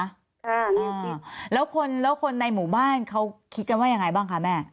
อ่าแล้วคนแล้วคนในหมู่บ้านเขาคิดกันว่ายังไงบ้างคะแม่